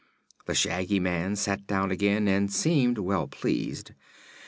The Shaggy Man sat down again and seemed well pleased.